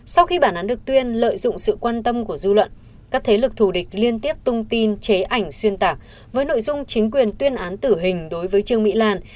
sau khi bản án được tuyên lợi dụng sự quan tâm của dư luận các thế lực thù địch liên tiếp tung tin chế ảnh xuyên tạc với nội dung chính quyền tuyên án tử hình đối với trương mỹ lan